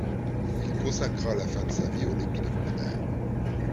Il consacra la fin de sa vie aux lépidoptères.